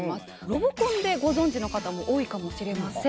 ロボコンでご存じの方も多いかもしれません。